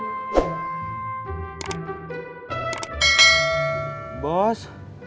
matah saya perih bos